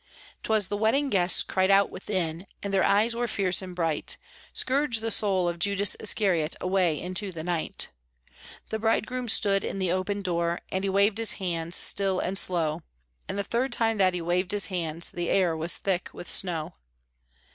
" 'Twas the wedding guests cried out within, And their eyes were fierce and bright 1 Scourge the soul of Judas Iscariot Away into the night !'" The Bridegroom stood in the open door, And he waved hands still and slow, And the third time that he waved his hands The air was thick with snow.